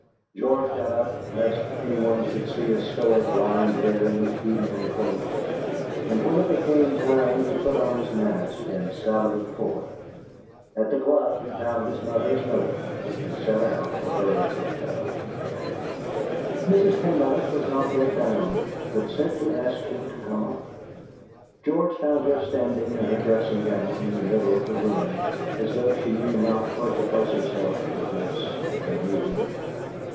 George got up lest anyone should see a Stoic lying there in his evening clothes; and when it became time he put on his mask and sallied forth. At the club he found his mother's note, and set out for her hotel. Mrs. Pendyce was not yet down, but sent to ask him to come up. George found her standing in her dressing gown in the middle of the room, as though she knew not where to place herself for this, their meeting.